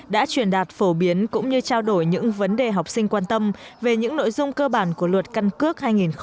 đã truyền đạt phổ biến cũng như trao đổi những vấn đề học sinh quan tâm về những nội dung cơ bản của luật căn cước hai nghìn hai mươi ba